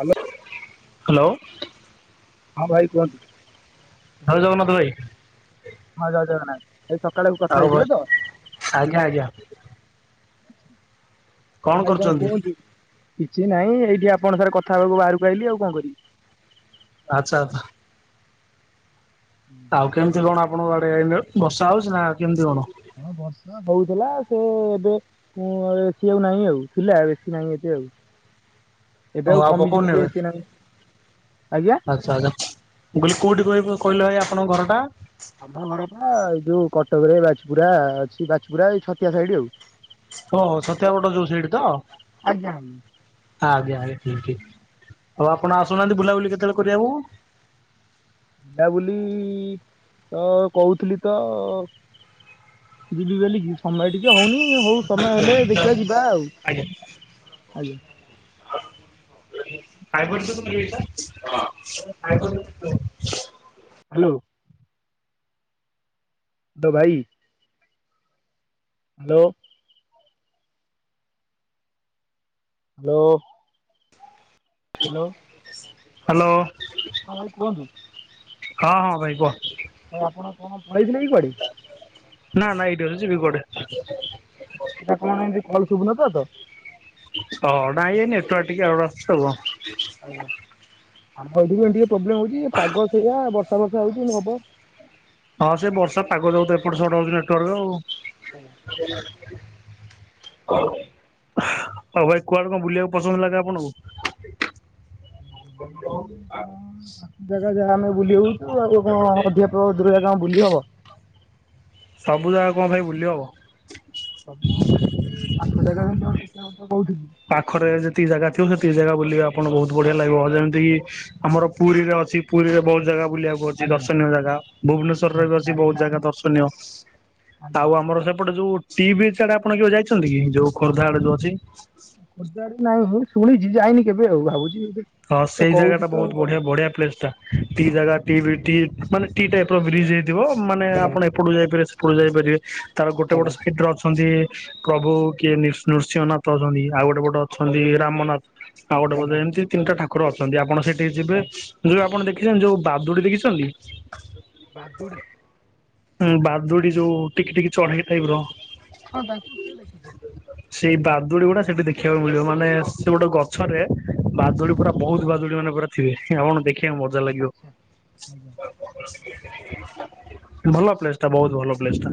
Hello. Hello. ହଁ ଭାଇ କୁହନ୍ତୁ। ଜୟ ଜଗନ୍ନାଥ ଭାଇ। ହଁ ଜୟ ଜଗନ୍ନାଥ ଏଇ ସକାଳେ ଉ କଥା ଆଉ ଭାଇ ହେଇଥିଲେ ତ। ଆଜ୍ଞା ଆଜ୍ଞା ଭାଇ କଣ କୁହନ୍ତୁ। କିଛି ନାଇଁ ଏଇଠି ଆପଣ ସାଙ୍ଗରେ କଥା ହବାକୁ ବାହାରକୁ ଆଇଲିି ଆଉ କଣ କରିବି। ଆଚ୍ଛା ଆଚ୍ଛା। ଆଉ କେମିତି କଣ ଆପଣଙ୍କ‌ ଆଡେ ଏନେଉ [unintelligible] ବର୍ଷା ହଉଚି ନା କେମିତି କଣ? ହଁ ବର୍ଷା ହଉଥିଲା ସେ ଏବେ କଣ ଏଠି ଆଉ ନାଇଁ ଆଉ ଥିଲା ବେଶୀ ନାଇଁ ଏତେ ଆଉ। ଓ ଏବେ ଆଉ କମିଚି ପକଉନି ଟିକେ ଏବେ ଏତେ ନାହିଁ ଆଜ୍ଞା। ଚା ଯା ମୁଁ କହିଲି କୋଉଠି କହିବ କହିଲ ଆଜ୍ଞା ଆପଣଙ୍କ ଘରଟା? ଆମ ଘରଟା ଏଇ ଯୋଉ କଟକରେ ବାଚିପୁରା ଅଛି। ବାଚିପୁରା ଏଇ ଛତିଆ ସାଇଡ୍ ଆଉ। ଓ ହୋ ଛତିଆବଟ ଯୋ ସେଇଠି ତ। ଆଜ୍ଞା। ଆଜ୍ଞା ଆଜ୍ଞା ଠିକ୍ ଠିକ୍ ହୋଉ ଆପଣ ଆସୁନାହାନ୍ତି ବୁଲାବୁଲି କେତେବେଳେ କରିବାକୁ। ବୁଲାବୁଲି ଇ ଅ କହୁଥିଲି ତ। ଯିବି ବୋଲିକି ସମୟ ଟିକେ ହୋଉନି। ଏ ହୋଉ ସମୟ ହେଲେ ଦେଖିବା ଯିବା ଆଉ ଆଜ୍ଞା। ଫାଇବର ତ ତଣ ରଛ ଫାଇ [unintelligible] ହାଲୋ। ଦବାଇ। ହାଲୋ। ହାଲୋ। ହାଲୋ। ହଁ ଭାଇ କୁଅନ୍ତୁ। ହଁ ହଁ ଭାଇ କୁହ। ଆଉ ଆପଣ କଣ ପଳେଇଥିଲେ କି କୁଆଡେ? ନାଁ ନାଁ ଏଇଠି ଅଛି ଯିବି କୁଆଡେ? ସେଇଟ କଣ ଏ କଲ ଶୁଭୁନ ତ [unintelligible] ହଁ ନାଁଇ ଏଇ ନେଟୱାର୍କ ଟିକେ ଏରର୍ ଆସୁଛି ତ। ଆମର ଏଠି ଟିକେ ପ୍ରୋବ୍ଲେମ ହଉଛି ପାଗ ସେଇଆ ବର୍ଷା ବର୍ଷା ହଉଛି ଏନ୍ତି ହବ। ହଁ ସେ ବର୍ଷା ପାଗ ଯାଗୁ ତ ଏପଟ ସେପଟ ହଉଛି ନେଟୱାର୍କ ଆଉ। ହଁ [inaudible] ହଉ ଭାଇ କୁଆଡେ କଣ ବୁଲିବାକୁ ପସନ୍ଦ ଲାଗେ ଆପଣଙ୍କୁ? ଜାଗା ଯାହା ଆମେ ବୁଲି ହଉଛୁ ଆଉ କଣ ଅଧିକା ଦୂର ଯାଗା ବୁଲି ହବ। ସବୁ ଜାଗା କଣ ଭାଇ ବୁଲିହବ। ସବୁ ଆଉ ସେମିତି ପାଖ ଯାଗା ଯେମିତି ହବ ଛତିଆ ବଟ କହୁଥିଲି। ପାଖରେ ଯେତିକି ଜାଗା ଥିବ ସେତିକି ଜାଗା ବୁଲେ ଆପଣଙ୍କୁ ବହୁତ ବଢିଆ ଲାଗିବ ଯେମିତିକି। ଆମର ପୁରୀରେ ଅଛି ପୁରୀରେ ବହୁତ ଜାଗା ବୁଲିବାକୁ। ଅଛି ଆଜ୍ଞା ଦର୍ଶନୀୟ ଜାଗା ଆଜ୍ଞା ଭୁବନେଶ୍ଵରରେ ବି ଅଛି ବହୁତ ଚାରିଧାମ ଜାଗା ଦର୍ଶନୀୟ। ଆଜ୍ଞା। ଆଉ ଆମର ସେପଟେ ଯୋଉ ଟି ବିଚ ଆଡେ ଆପଣ ଯାଇଛନ୍ତି କି ଯୋଉ ଖୋର୍ଦ୍ଧା ଆଡେ ଯୋଉ ଅଛି। ଖୋର୍ଦ୍ଧା ଆଡ଼େ ନାଇଁ ହଁ ଶୁଣିଛି ଯାଇନି କେବେ ଆଉ ଭାବୁଛି ହଁ ତ ସେଇ କହୁଛି ଜାଗାଟା ତ ବହୁତ ବଢିଆ ବଢିଆ ପ୍ଲେସ ଟା। ଟି ଜାଗା ଟି ବି ମାନେ ଟି ଟାଇପର ବ୍ରିଜ ହେଇଥିବ ମାନେ ଆଜ୍ଞା ଆପଣ। ସେପଟକୁ ଯାଇପାରେ ସେପଟକୁ ଯାଇପାରିବେ ତାର ଗୋଟେ ଆଜ୍ଞା ଗୋଟେ ସାଇଡରେ ଅଛନ୍ତି। ପ୍ରଭୁ କିଏ ନୃସିଂହନାଥ ଅଛନ୍ତି ଆଉ ଗୋଟେ ପୋଟେ ଅଛନ୍ତି ରାମନାଥ। ଆଉ ଗୋଟେ ଆଜ୍ଞା ବୋଧେ ଏମିତି ତିନିଟା ଠାକୁର ଅଛନ୍ତି ଆପଣ ସେଇଠିକି ଯିବେ। ଆଜ୍ଞା ଯୋଉ ଆପଣ ଦେଖିଛନ୍ତି ଯୋଉ ବାଦୁଡି ଦେଖିଛନ୍ତି। ବାଦୁଡ଼ି। ହୁଁ ବାଦୁଡି ଯୋଉ ଟିକି ଟିକି ଚଢେଇ ଟାଇପ ର। ହଁ ତାଙ୍କୁ ସେ ଦେଖିଚି ସେଇ ବାଦୁଡି ଗୁଡା ସେଠି ଦେଖିବାକୁ ମିଳିବ ମାନେ ସେ ଗୋଟେ ଗଛରେ ବାଦୁଡି ପୁରା। ବହୁତ ଆଜ୍ଞା ବାଜୁଡି ମାନେ ପୁରା ଥିବେ ଆପଣଙ୍କୁ ଦେଖିବାକୁ ମଜା ଲାଗିବ। ଆଚ୍ଛା ଆଜ୍ଞା ଭଲ ପ୍ଲେସଟା ବହୁତ ଭଲ ପ୍ଲେସ ଟା।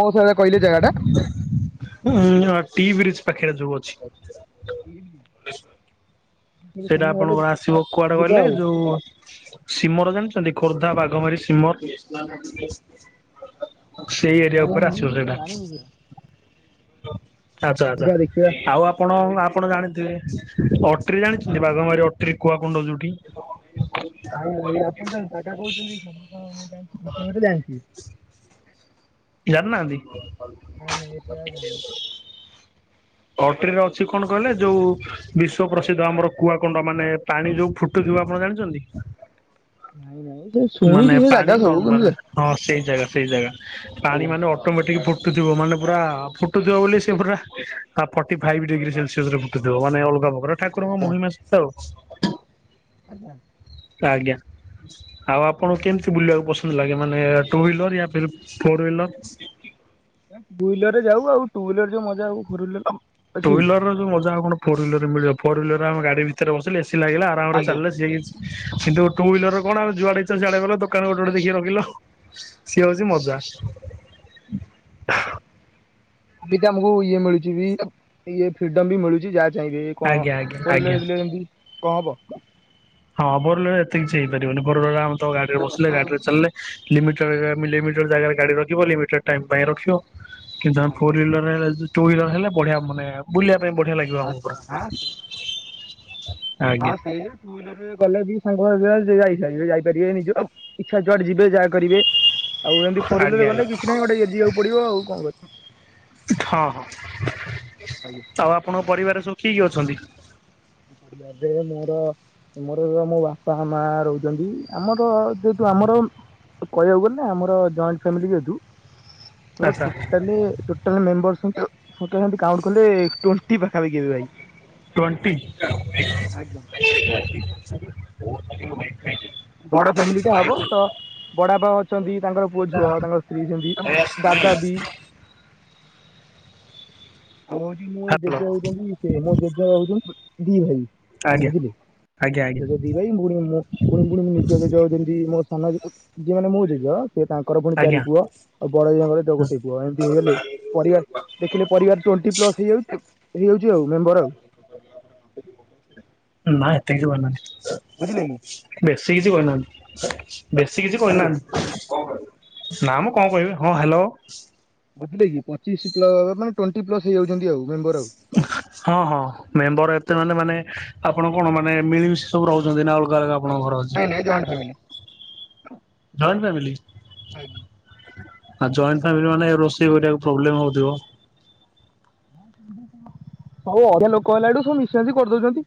କଣ ସାର୍ କହିଲି ଜାଗା ଟା? ଉଁ ଟି ବ୍ରିଜ ପାଖରେ ଯୋଉ ଅଛି। T bridge. ସେଇଟା ଆପଣଙ୍କର ଆସିବ କୁଆଡେ ଯିବା କହିଲେ ଆଉ ଯୋଉ ସିମର ଜାଣିଛନ୍ତି ଖୋର୍ଦ୍ଧା ବାଘମାରୀ ସିମର। ସେଇ ଏରିଆକୁ ନାଇଁ କୁଆଡେ ମୁଁ ଆସିବ ସେଗୁଡ଼ା। ଜାଣିନି ପୁରା ଆଚ୍ଛା ଆଚ୍ଛା ଯିବା ଦେଖିବା ଆଉ ଆପ୍ ଆପଣ ଆପଣ ଜାଣିଥିବେ ଅଟରି ଜାଣିଛନ୍ତି, ବାଘମାରୀ ଅଟରୀ କୁଆକୁୁଣ୍ଡ ଯୋଉଠି? ନାଇଁ ଭାଇ ଆପଣ ଯୋଉ ଜାଗା କହୁଛନ୍ତି, ସମସ୍ତ ମୁଁ ଜାଣିଛି ଗୋଟେ ଗୋଟେ ଜାଣିଛି। ଜାଣିନାହାଁନ୍ତି? ନାଇଁ ନାଇଁ ଏତେ ଜାଗା ଜାଣିନି ଅଟ୍ରିରେ ଅଛି କଣ କହିଲେ? ଯୋଉ ବିଶ୍ଵ ପ୍ରସିଦ୍ଧ ଆମର କୁଆକୁଣ୍ଡ ମାନେ ପାଣି ଯୋଉ ଫୁ [unintelligible] ଆପଣ ଜାଣିଛନ୍ତି? ନାଇଁ ନାଇଁ ସେ ମାନେ ଶୁଣିଛି ସେ ପାଣି ଜାଗା ସବୁ ନର୍ମାଲ କିନ୍ତୁ ହଁ ସେଇ ଜାଗା ସେଇ ଜାଗା ପାଣି ଆଜ୍ଞା ମାନେ ଅ ଅଟୋମେଟିକ ଫୁଟୁଥିବ ମାନେ ପୁରା ଫୁଟୁଥିବ ବୋଲି ସେ ପୁରା ଆ ଫର୍ଟି ଫାଇଭ୍ ଡିଗ୍ରୀ ସେଲସିୟସ ରେ ଫୁଟୁଥିବ, ମାନେ ଅଲଗା ପ୍ରକାର ଠାକୁରଙ୍କ ଆଜ୍ଞା ମହିମା ସହିତ ଆଉ। ଆଜ୍ଞା। ଆଜ୍ଞା। ଆଉ ଆପଣଙ୍କୁ କେମତି ବୁଲିବାକୁ ପସନ୍ଦ ଲାଗେ, ମାନେ ଟୁ ହ୍ୱିଲର ୟା ଫୋର ହ୍ୱିଲର? ଟୁ ହ୍ୱିଲରରେ ଯାଉ ଆଉ, ଟୁ ହ୍ୱିଲର୍ ରେ ଯୋଉ ମଜା ହୁଏ ଫୋର୍ ହ୍ୱିଲର୍ ଟୁ ହ୍ୱିଲର୍ ର ଯୋଉ ମଜା ଆଉ କଣ ଫୋର୍ ହ୍ୱିଲର ରେ ମିଳିବ, ଫୋର ହ୍ୱିଲର ଆମେ ଗାଡି ଭିତରେ ବସିଲେ ଏସି ଲାଗିଲା ଆରମ୍ ରେ ଆଜ୍ଞା ଚାଲିଲେ ସିଏ କିନ୍ତୁ ଟୁ ହିଲର କଣ ଯୁଆଡେ ଇଚ୍ଛା ସିଆଡେ ଗଲ, ଦୋକାନ ଗୋଟେ ଗୋଟେ ଦେଖି ରଖିଲ। ସିଏ ହଉଛି ମଜା। ବି ତ ଆମକୁ ଇଏ ମିଳୁଛି ବି ଇଏ ଫ୍ରିଡମ୍ ବି ମିଳୁଛି ଯାହା [unintelligible] ଆଜ୍ଞା ଆଜ୍ଞା ଫୋର୍ ଆଜ୍ଞା। ହ୍ୱିଲରରେ ଗଲେ ଏମିତି କଣ ହବ? ହଁ ଫୋର୍ ହ୍ୱିଲରରେ ଏତେ କିଛି ହେଇ ପାରିବନି, ଫୋର୍ ହ୍ୱିଲରରେ ଆମେ ତ ଗାଡିରେ ବସେ ଗାଡିରେ ଚାଲିଲେ। ଲିମିଟେଡ୍ ଲିମିଟେଡ ଜାଗାରେ ଗାଡି ରଖିବ, ଲିମିଟେଡ୍ ଟାଇମ୍ ପାଇଁ ରଖିବ। କିନ୍ତୁ ଫୋର୍ ହ୍ୱିଲର ହେଲେ ଟୁ ହ୍ୱିଲର ହେଲେ ବଢିଆ ମାନେ ବୁଲିବା ପାଇଁ ବଢିଆ ଲାଗ ବ। [unintelligible] ହଁ ସେଇ ଟୁ ହ୍ୱିଲର ରେ ଗଲେ ବି ସାଙ୍ଗ ଯାଇପାରିବେ ଯାଇପାରିବେ ନିଜ ଇଛା ଯୁଆଡେ ଯିବେ ଯାହା କରିବେ ଆଉ ଏମତି ଆଜ୍ଞା ଫୋରହ୍ୱିଲର ଆଜ୍ଞା ଗଲେ କିଛି ନାହିଁ, ଗୋଟେ ଏ ଯିବାକୁ ପଡିବ ଆଉ କଣ କ ହଁ- ହଁ ଆଜ୍ଞା। ଆଉ ଆପଣଙ୍କ ପରିବାର ସବୁ କିଏ କିଏ ଅଛନ୍ତି? [unintelligible] ମୋର ଆମର ମୋ ବାପା, ମା ରହୁଛନ୍ତି। ଆମର ଯେହେତୁ ଆମର ତ କହିବାକୁ ଗଲେ ଆମର ଜଏଣ୍ଟ ଫ୍ୟାମିଲି ଯେହେତୁ ମୋର ଆଚ୍ଛା ଟୋଟାଲି ଟୋଟାଲ ମେମ୍ୱରସିପ୍ [unintelligible] କାଉଣ୍ଟ କଲେ ଟ୍ବେଣ୍ଟି ପାଖାପାଖି ହେବେ ଭାଇ। ଟ୍ୱଣ୍ଟି। ଆଜ୍ଞା। [inaudible] [inaudible] ବଡ ଫ୍ୟାମିଲିଟା ହବ ତ ବଡାପା ଅଛନ୍ତି ତାଙ୍କର ପୁଅ, ଝୁଅ ତାଙ୍କର ସ୍ତ୍ରୀ ଅଛନ୍ତି ଦାଦା ବି ଆଉ [unintelligible] ମୋ ହ୍ୟାଲୋ ଜେଜେ ହଉଛନ୍ତି ସେ ମୋ ଜେଜେ ହଉଛନ୍ତି ଦି ଭାଇ ଆଜ୍ଞା ବୁଝିଲେ। ଆଜ୍ଞା ଆଜ୍ଞା। ମୁଁ ଦି ଭାଇ ପୁଣି ମୁଁ ପୁଣି ନିଜ ନିଜ ଯେମିତି [unintelligible] ସେ ତାଙ୍କର ପୁଣି ଆଜ୍ଞା। ଚାରି ପୁଅ ଆଉ ବଡ ଅଜାଙ୍କର ଗୋଟେ ପୁଅ, ଏମିତି ହେଇଗଲେ ପରିବାର ଦେଖିଲେ ପରିବାର ଟ୍ୱେଣ୍ଟି ପ୍ଲସ୍ ହେଇଯାଉଛି ହେଇଯାଉଛି ଆଉ ମେମ୍ବର ଆଉ। ନା ଏତେ ବି ଭଲ ନାହିଁ। ବେଶୀ କିଛି କହିନାହାନ୍ତି ବେଶୀ କିଛି କହିନାହାନ୍ତି। ନା ମ କଣ କହିବି ହଁ ହ୍ୟାଲୋ। ବୁଝିଲେ କି ପଚିଶ ମାନେ ଟ୍ୱେଣ୍ଟି ପ୍ଲସ ହେଇଯାଉଛନ୍ତି ଆଉ ମେମ୍ବର ଆଉ। ହଁ -ହଁ ମେମ୍ବର ଏତେ ମାନେ ମାନେ ଆପଣ କଣ ମାନେ ମିଳିମିଶି ସବୁ ରହୁଛନ୍ତି ନା ଆଉ [unintelligible] ଆପଣଙ୍କ ଘର ଅଛି ନାଇଁ ନାଇଁ ଜଏଣ୍ଟ ଫ୍ୟାମିଲି ଜଏଣ୍ଟ ଫ୍ୟାମିଲି? ଆ ଜଏଣ୍ଟ ଫାମିଲି ମାନେ ରୋଷେଇ କରିବାକୁ ପ୍ରୋବ୍ଲେମ ହଉଥିବ। ସବୁ ଅଧିକା ଲୋକ ହେଲାଠୁ ସବୁ ମିଶିମାସିକି କରିଦଉଚନ୍ତି।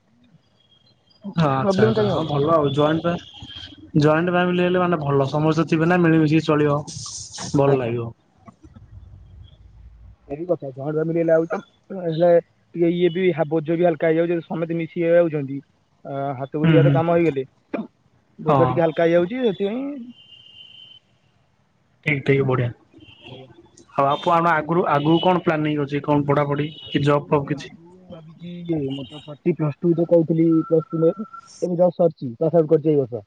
ହଁ ଆଚ୍ଛା ଆଚ୍ଛା ହଁ ହବ ଭଲ ଆଉ ଜଏଣ୍ଟ ଫ୍ୟାମିଲି ଜଏଣ୍ଟ ଫ୍ୟାମିଲି ହେଲେ ମାନେ ଭଲ ସମସ୍ତେ ଥିବେ ନା ମିଳିମିଶିକି ଚଳିବ ଭଲ ଲାଗିବ। ଏଇକି କଥା ଜଏଣ୍ଟ ଫ୍ୟାମିଲି ହେଲେ ଆଉ [unintelligible] ଇଏ ଇଏ ବି ହାବୋ ବୋଜ ବି ହାଲକା ହେଇଯାଉ ସମସ୍ତେ ମିଶିଇ ରଉଚନ୍ତି ଆ ହୁଁ ତୁରୀ ଆରେ ହୁଁ କାମ ହେଇଗଲି ବୋଝ ହଁ ଟିକେ ହାଲକା ହେଇଯାଉଚି ସେଥିପାଇଁ ଠିକି ଠିକି ବଢିଆ ଆଉ ଆ ଆଣ ଆଗରୁ ଆଗକୁ କଣ ପ୍ଲାନିଂ ଅଛି କଣ ପଢାପଢି? କି ଜବ୍ ଆଗରୁ ଫବ୍ ମୋର କିଛି? ଆଗରୁ ଭାବି ମୁଁ ତ ପ୍ଲସ୍ ଟୁ ତ କହୁଥିଲି ପ୍ଲସ୍ ଟୁ ଏମିତି ସରିଛି କରି ବ [unintelligible]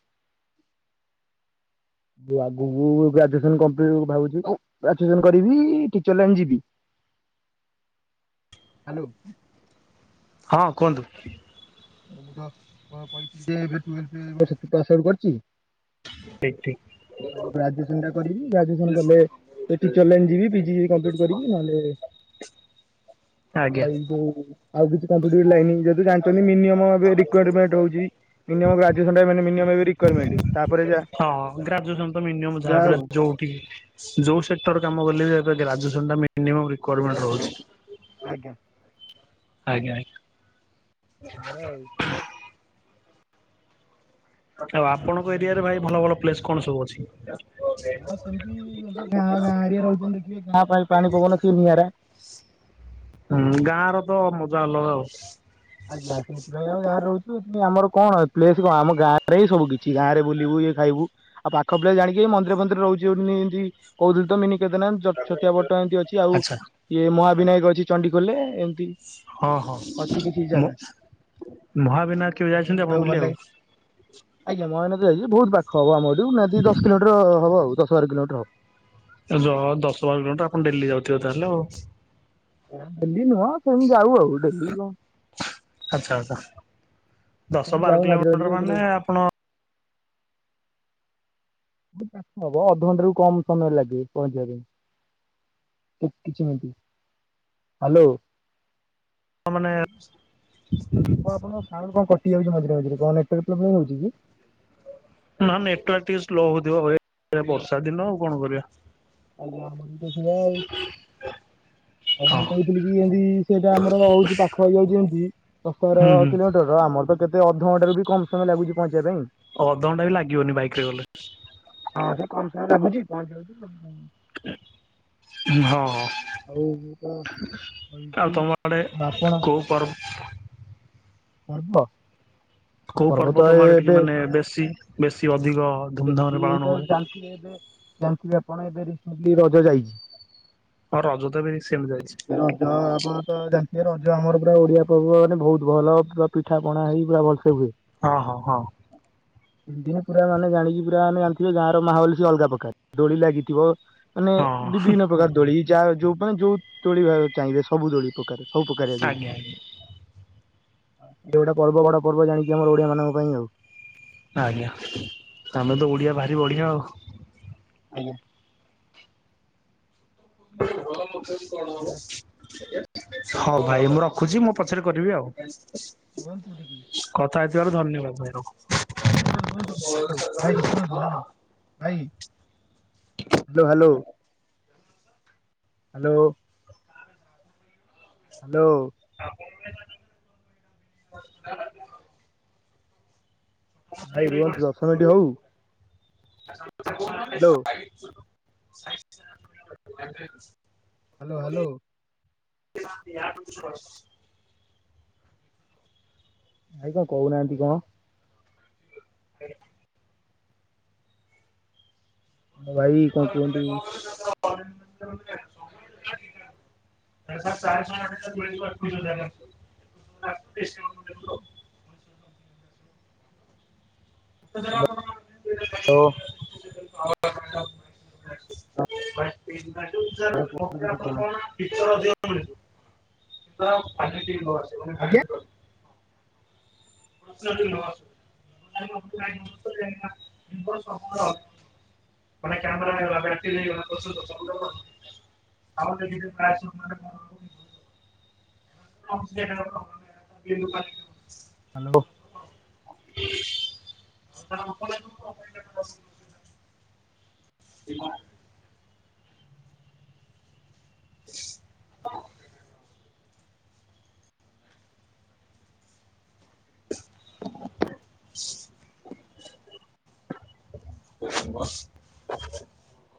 ଆଗକୁ ଗ୍ରାଜୁଏସନ କମ୍ପିଲ୍ଟି ଭାବୁଚି ଗ୍ରାଜୁଏସନ କରିବି ଟିଚର ଲାଇନି ଯିବି। ହ୍ୟାଲୋ। ହଁ କୁହନ୍ତୁ? ମୁଁ ତ କ କହିଥିଲି ଯେ ଏବେ ଟୁଏଲଥେ ପାସ ଆଉଟୁ କରିଚି? [unintelligible] ଠିକି ଠିକି। ଆଉ ଗ୍ରାଜୁଏସନ ଟା କରିବି ଗ୍ରାଜୁଏସନ କଲେ ସେ ଟିଚର ଲାଇନ୍ ଯିବି ପିଜି କମ୍ପ୍ଲିଟ୍ କରିବି ନହେଲେ ଆଜ୍ଞା। ଏଇ ଯୋଉ ଆଉ କିଛି କମ୍ପୁଟର ଲାଇନି ଯେଦି ଜାଣିଚନ୍ତିି ମିନିୟମ ମୁଁ ଏବେ ରିୱରମେଣ୍ଟେ ଦଉଚି ମିନିୟମ ଗ୍ରାଜୁଏସନ ନା ମିନିୟମ ରିୱରମେଣ୍ଟେ ତା ପରେ [unintelligible] ହଁ ଗ୍ରାଜୁଏସନ ତ ମିନିୟମ୍ ଯାହାଵି ହେଲେ ଯୋଉଠି ଯୋଉ ସେକ୍ଟର କାମ ବଲେବେ ଏବେ ଗ୍ରାଜୁଏସନଟା ମିନିୟମ ରିୱରମେଣ୍ଟେ ରହୁଚି। ଆଜ୍ଞା। ଆଜ୍ଞା ଆଜ୍ଞା। ହେଲା ଆଉ। ଆଛା ଆପଣଙ୍କ ଏରିଆରେ ଭାଇ ଭଲ ଭଲ ପ୍ଲେଶ୍ କଣ ସବୁ ଅଛି? କଣ ସେମିତି ଗାଁ ଗାଁ ଏରିଆ ରହୁଚନ୍ତି ଦେଖିବେ ଗାଁ ପାଣି ପବନ ସେ ନିଆରା। ହୁଁ ଗାଁ ର ତ ମଜା ଅଲଗା ଆଉ। ଆଜ୍ଞା। ଗଲା ଗାଁରେ ରହୁଚୁ, କିନ୍ତୁ ଆମର କଣ ପ୍ଲେସ୍ କଣ ଆମ ଗାଁରେହିଁ ସବୁ କିଛି, ଗାଁରେ ବୁଲିବୁ ଇଏ ଖାଇବୁ। ଆଉ ପାଖ ପ୍ଲେସ ଜାଣିକି ଏଇ ମନ୍ଦିର ଫନ୍ଦିର ରହୁଚିନି ଇନ୍ତି କହୁଥିଲ ତ ମିନି କେଦରନାଥ। ଜବ୍ ଛତିଆ ବଟ ଏନ୍ତି ଅଛି, ଆଉ ଆଚ୍ଛା ଏ ମହାବିନାୟକ ଅଛି ଚଣ୍ଡି ଖୋଲରେ ଏମିତି ହଁ ହଁ ଅଛି କିଛି ମୋ ଜାଗା ମହାବିନାୟକ କେବେ ଯାଇଛନ୍ତି ଆପଣ ବୁଲିଆକୁ? ଆଜ୍ଞା, ମହାୟନତ ଯାଇଚି ବହୁ ପାଖ ହବ ଆମର ଏଠୁ ନିହାତି ଦଶ କିଲୋମିଟର ହବ ଆଉ, ଦଶ ବାର କିଲୋମିଟର ହବ। ଏ ଜ ଦଶ ବାର କିଲୋମିଟର ଆପଣ ଡେଲି ଯାଉଥିବେ ତାହେଲେ ଆଉ। ଡେଲି ନୁହଁ ସେମ୍ ଯାଉ ଆଉ ଡେଲି କଣ। ଆଛା, ଆଛା -ଦଶ ସେମିତି ବାର ଯାଉ ମଝିରେ ମଝିରେ କିଲୋମିଟର ଏଥିରେ ମାନେ ଆପଣ ପାଖହବ ଅଧଘଣ୍ଟା ରୁ କମ୍ ସମୟ ଲାଗିବ ପହଞ୍ଚିବା ପାଇଁ। କି କିଛି ମିନିଟି - ହାଲୋ। ମାନେ କଣ ଆପଣଙ୍କ ସାଉଣ୍ଟ୍ କଣ କଟି ଯାଉଚି ମଝିରେ ମଝିରେ, କଣ ନେଟୱାର୍ ପ୍ରବ୍ଲେମ୍ ହଉଚି କି? ନା ନେଟୱର୍କ ଟିକେ ସ୍ଲୋ ହଉଥିବ, ଏ -ବର୍ଷା ଦିନ ଆଉ କଣ କରିବା। କାଲି ଆମ ଶିବାଇ [unintelligible] ଆଉ ମୁଁ ହଁ। କହିଥିଲି କି ଏନ୍ତି ସେଟା ଆମର ହଉଚି ପାଖ ହେଇଯାଉଚି ଏମିତି ଦଶ ବାର ହୁଁ ହୁଁ କିଲୋମି ତେର ଆମର ତ କେତେ ଅଧଘଣ୍ଟାରୁ ବି କମ ସମୟ ଲାଗୁଚି ପହଞ୍ଚିବା ପାଇଁ। ଅଧଘଣ୍ଟା ବି ଲାଗିଅନି ବାଇକ୍ ରେ ଗଲେ। ହଁ ସେ କମ ସମୟ ଲାଗୁଚି ପହଞ୍ଚଉଛି। ହଁ। ଆଉ ମୁଁ କଣ ଆଉ କହିଛି ତମ ଆଡେ ଆପଣ କୋଉ ପର୍ ପର୍ବ କୋଉ ପର୍ବ ତ ତମ ଆଡେ ଟିକେ ଏବେ ମାନେ ବେଶୀ ବେଶୀ ଅଧିକ ଧୁମ୍ ଧାମ୍ ରେ ପାଳନ ହୁଏ? ଏବେ ଏବେ ଜାଣିଥିବେ ଆପଣ ଏବେ ରିସେଣ୍ଟଲି ରଜ ଯାଇଛି। ହଁ ରଜ ତ ଏବେ ରିସେଣ୍ଟ ଯାଇଛି। ରଜ ଆପଣ ତ ଜାଣିଥିବେ ରଜ ଆମର ପୁରା ଓଡିଆ ପର୍ବ ମାନେ ବହୁତ ଭଲ ପୁରା ପିଠା ପଣା ହେଇ ପୁରା ଭଲସେ ହୁଏ। ହଁ ହଁ ହଁ। ଏମ ପୁରା ମାନେ ଜାଣିକି ପୁରା ମାନେ ଜଣିଥିବେ ଗାଁ ର ମାହୋଲ ସିଏ ଅଲଗା ପ୍ରକାର ଦୋଳି ଲାଗିଥିବ ମାନେ ହଁ ବିଭିନ୍ନ ପ୍ରକାର ଦୋଳି, ଯା ଯୋଉ ମାନେ ଯୋଉ ଦୋଳି ଭାବେ ଚାହିଁବେ ସବୁ ଦୋଳି। ଟୋଟାଲ ସବୁ ପ୍ରକାରିଆ ଦୋଳି ଆଜ୍ଞା ଆଜ୍ଞା ଦୁଇଟା ପର୍ବ ବଡ ପର୍ବ ଜାଣି କି ଆମର ଓଡ଼ିଆମାନଙ୍କ ପାଇଁ ଆଉ। ଆଜ୍ଞା ଆମେ ତ ଓଡ଼ିଆ ଭାରି ବଢ଼ିଆ ଆଉ। ଆଜ୍ଞା। ଭଲ [unintelligible] କଣ ହବ? ହଉ ଭାଇ ମୁଁ ରଖୁଛି ମୁଁ ପଛରେ କରିବି ଆଉ। ରୁହନ୍ତୁ ଟିକେ। ସ୍କଥା ହେଇଥିବାରୁ ଧନ୍ୟବାଦ ଭାଇ ରଖ। ରୁହନ୍ତୁ ରୁହନ୍ତୁ ଟିକେ ହ୍ୟାଲୋ ଭାଇ ଟିକେ ଶୁଣନ୍ତୁ ହ୍ୟାଲୋ ଭାଇ ହ୍ୟାଲୋ ହ୍ୟାଲୋ ହ୍ୟାଲୋ ହ୍ୟାଲୋ [inaudible] ଭାଇ ରୁହନ୍ତୁ ଦଶମିନ୍ଟୀ ହଉ। [unintelligible] Hello size [unintelligible] hello hello. [unintelligible] ଭାଇ କହୁନାହାନ୍ତି କଣ? [unintelligible] ହ ଭାଇ କଣ କୁହନ୍ତୁ। [inaudible] [unintelligible] [inaudible] [unintelligible] ତ ହ [inaudible] [unintelligible] ଉଚ୍ଚାରଣ ମତେ ଆପଣ କଣ [unintelligible] ଦିଅ? ଆଜ୍ଞା [unintelligible] [unintelligible] ମାନେ କ୍ୟାମେରା ବ୍ୟାଂଟିଲ ହେଇଗଲା ଦୋଷ [unintelligible] ଆଉ ଗୋଟେ ଲିଙ୍କ [unintelligible] [unintelligible] ହାଲୋ। କଣ କହୁନାହା ଏଇ କଣ? କଣ? ବସ୍।